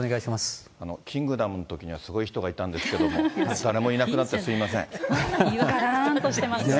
キングダムのときにはすごい人がいたんですけれども、誰もいがらーんとしています。